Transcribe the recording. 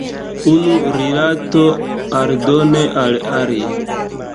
Unu rilato aldone al alia.